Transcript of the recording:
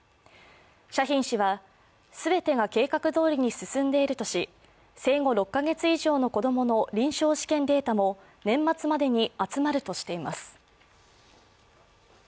シャヒン氏は全てが計画通りに進んでいるとし生後６カ月以上の子供の臨床試験データも年末までに集まるとしています。